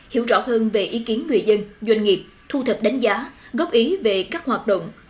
hiểu rõ hơn về ý kiến người dân doanh nghiệp thu thập đánh giá góp ý về các hoạt động